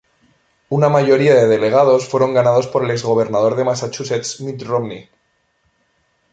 Una mayoría de delegados fueron ganados por el exgobernador de Massachusetts Mitt Romney.